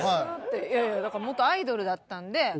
いやいやだから元アイドルだったんで。